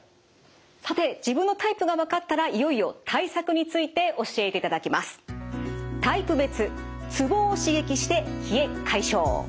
さて自分のタイプが分かったらいよいよ対策について教えていただきます。